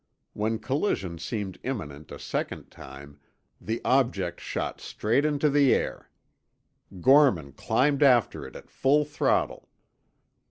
When collision seemed imminent a second time, the object shot straight into the air. Gorman climbed after it at full throttle.